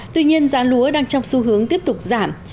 tuy nhiên giá lúa đang trong xu hướng tiếp tục giảm